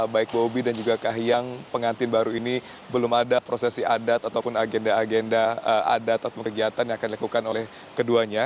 baik bobi dan juga kahiyang pengantin baru ini belum ada prosesi adat ataupun agenda agenda adat ataupun kegiatan yang akan dilakukan oleh keduanya